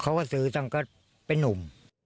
เขาก็ซื้อตั้งก็เป็นนุ่ม